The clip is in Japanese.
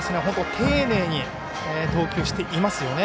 丁寧に投球していますよね。